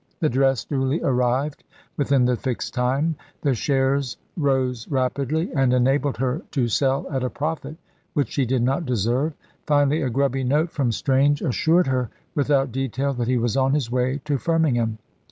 The dress duly arrived within the fixed time; the shares rose rapidly, and enabled her to sell at a profit which she did not deserve; finally, a grubby note from Strange assured her without detail that he was on his way to Firmingham.